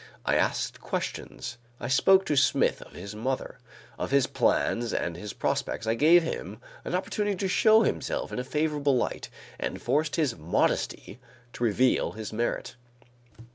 I asked questions; I spoke to Smith of his mother, of his plans and his prospects. I gave him an opportunity to show himself in a favorable light and forced his modesty to reveal his merit.